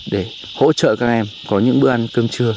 để hỗ trợ các em có những bữa ăn cơm trưa